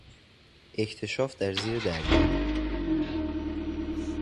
اکتشاف در زیر دریا